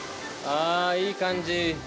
ああ、いい感じ。